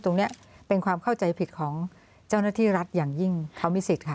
ตรงนี้เป็นความเข้าใจผิดของเจ้าหน้าที่รัฐอย่างยิ่งเขามีสิทธิ์ค่ะ